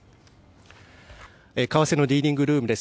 為替のディーリングルームです。